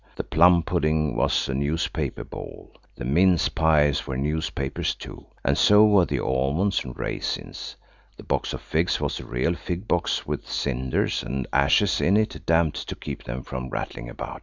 The plum pudding was a newspaper ball. The mince pies were newspapers too, and so were the almonds and raisins. The box of figs was a real fig box with cinders and ashes in it damped to keep them from rattling about.